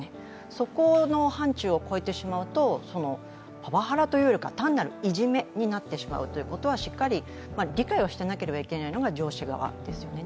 そこの範ちゅうを超えてしまうと、パワハラではなく単なるいじめになるとしっかり理解をしていなければいけないのが上司側ですよね。